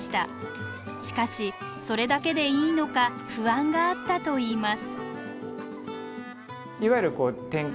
しかしそれだけでいいのか不安があったといいます。